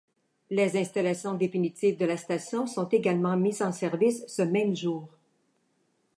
Les installations définitives de la station sont également mises en service ce même jour.